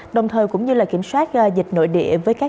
đồng thời cũng như kiểm soát dịch nội địa